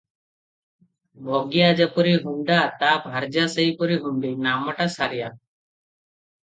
ଭଗିଆ ଯେପରି ହୁଣ୍ତା, ତ ଭାର୍ଯ୍ୟା ସେହିପରି ହୁଣ୍ତୀ, ନାମଟା ସାରିଆ ।